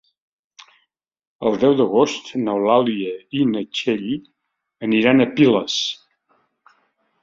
El deu d'agost n'Eulàlia i na Txell aniran a Piles.